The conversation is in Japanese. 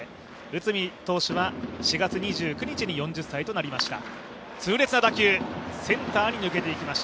内海投手は４月２９日に４０歳となりました。